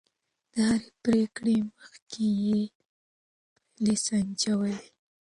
د هرې پرېکړې مخکې يې پايلې سنجولې.